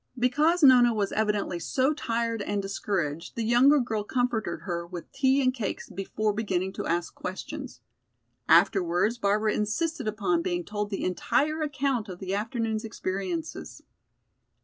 Because Nona was evidently so tired and discouraged the younger girl comforted her with tea and cakes before beginning to ask questions. Afterwards Barbara insisted upon being told the entire account of the afternoon's experiences.